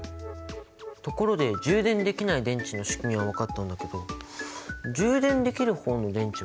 ところで充電できない電池のしくみは分かったんだけど充電できる方の電池はどうなってるの？